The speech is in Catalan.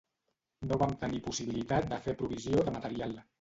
No vam tenir possibilitat de fer provisió de material.